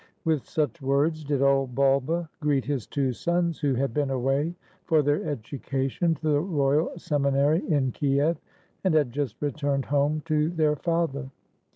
With such words did old Bulba greet his two sons, who had been away for their education to the Royal Semi nary in Kiev, and had just returned home to their father.